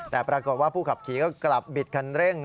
แต่ปรากฏว่าผู้ขับขี่ก็กลับบิดคันเร่ง